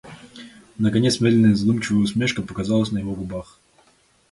Наконец медленная, задумчивая усмешка показалась на его губах.